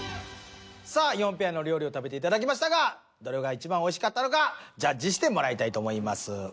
さあ４ペアの料理を食べていただきましたがどれがいちばんおいしかったのかジャッジしてもらいたいと思います。